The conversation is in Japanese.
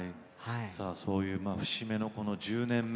そういう節目の１０年目